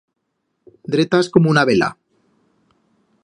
Dretas como una vela.